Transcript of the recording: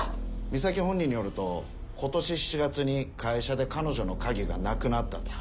ミサキ本人によると今年７月に会社で彼女の鍵がなくなったと。